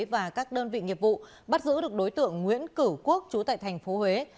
và các đơn vị nghiệp vụ bắt giữ được đối tượng nguyễn cửu quốc chú tại thành phố huế